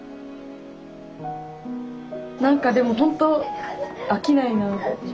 なんかでもほんと飽きないなって。